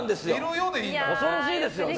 恐ろしいですよね。